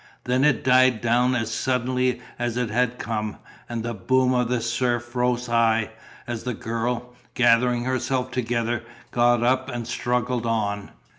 Then it died down as suddenly as it had come, and the boom of the surf rose high, as the girl, gathering herself together, got up and struggled on.